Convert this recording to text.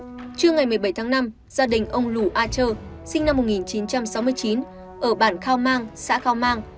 trước ngày một mươi bảy tháng năm gia đình ông lù a trơ sinh năm một nghìn chín trăm sáu mươi chín ở bản khao mang xã khao mang